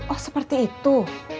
oh seperti itu